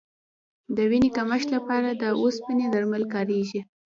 د وینې کمښت لپاره د اوسپنې درمل کارېږي.